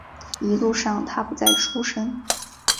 一路上他不再出声